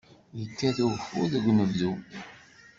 Yekkat ugeffur deg unebdu.